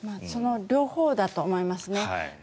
その両方だと思いますね。